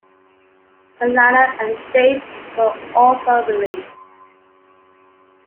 The lineup and dates were also released.